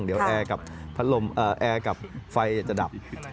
เดี๋ยวแอร์กับไฟจะดับ